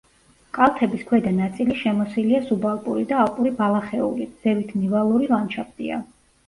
კალთების ქვედა ნაწილი შემოსილია სუბალპური და ალპური ბალახეულით, ზევით ნივალური ლანდშაფტია.